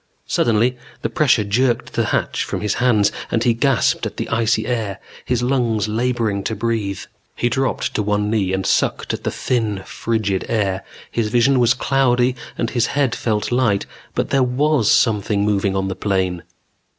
Suddenly the pressure jerked the hatch from his hands and he gasped at the icy air, his lungs laboring to breathe. He dropped to one knee and sucked at the thin, frigid air. His vision was cloudy and his head felt light. But there was something moving on the plain.